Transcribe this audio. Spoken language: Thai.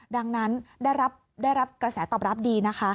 ดังนั้นได้รับกระแสตอบรับดีนะคะ